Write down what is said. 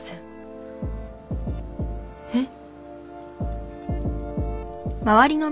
えっ？